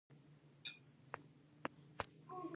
د بامیان په ورس کې د وسپنې کان شته.